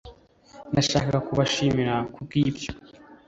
nashakaga kubashimira kubwibyo